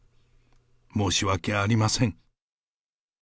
申し訳ありません。